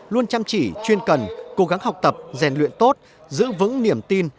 luôn chăm chỉ chuyên cần cố gắng học tập rèn luyện tốt giữ vững niềm tin